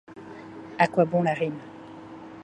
À quoi bon la rime?